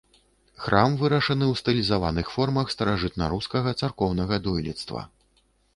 Храм вырашаны ў стылізаваных формах старажытнарускага царкоўнага дойлідства.